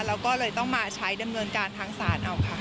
แล้วก็เลยต้องมาใช้ดำเนินการทางศาลเอาค่ะ